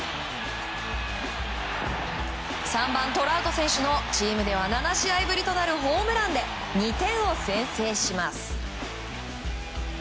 ３番、トラウト選手のチームでは７試合ぶりとなるホームランで２点を先制します。